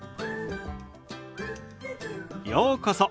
ようこそ。